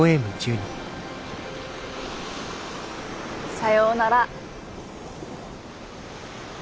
さようなら。